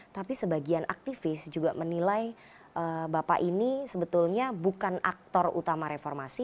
tapi sebagian aktivis juga menilai bapak ini sebetulnya bukan aktor utama reformasi